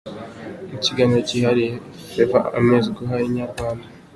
Mu kiganiro kihariye Favor amaze guha Inyarwanda.